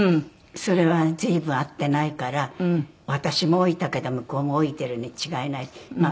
それは随分会ってないから私も老いたけど向こうも老いてるに違いない。